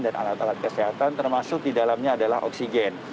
dan alat alat kesehatan termasuk di dalamnya adalah oksigen